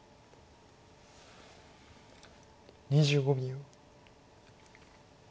２５秒。